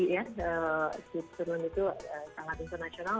jadi ya swiss sermon itu sangat internasional